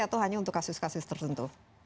atau hanya untuk kasus kasus tertentu